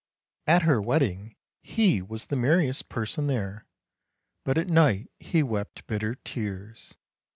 At her wedding he was the merriest person there, but at night he wept bitter tears.